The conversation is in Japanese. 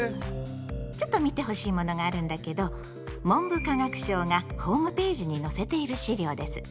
ちょっと見てほしいものがあるんだけど文部科学省がホームページに載せている資料です。